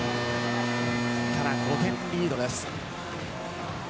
ただ、５点リードです。